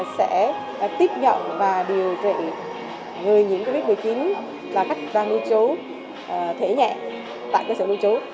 sẽ tiếp nhận và điều trị người nhiễm covid một mươi chín là các doanh lưu trú thể nhẹ tại cơ sở lưu trú